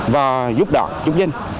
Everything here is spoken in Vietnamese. và giúp đỡ chúng dân